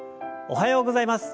おはようございます。